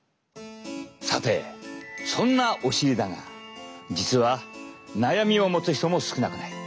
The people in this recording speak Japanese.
さてそんなお尻だが実は悩みを持つ人も少なくない。